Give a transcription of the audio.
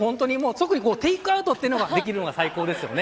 特にテークアウトができるのが最高ですよね。